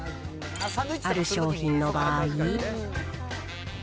ある商品の場合。